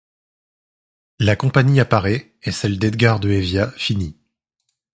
La compagnie apparaît et celle d’Edgar de Evia finit.